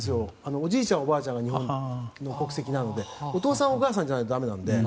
おじいちゃん、おばあちゃんが日本国籍なのでお父さん、お母さんじゃないとだめなので。